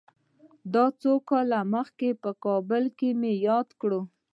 د څو کلونو مخکې کابل مې یاد کړ.